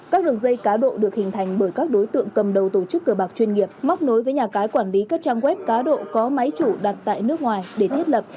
các đường dây cá độ được hình thành bởi các đối tượng cầm đầu tổ chức cờ bạc chuyên nghiệp móc nối với nhà cái quản lý các trang web cá độ có máy chủ đặt tại nước ngoài để thiết lập